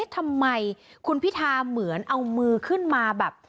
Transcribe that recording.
ทำไมคุณพิธาเหมือนเอามือขึ้นมาแบบ